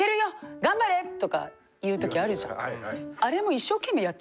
頑張れ！」とか言うときあるじゃん。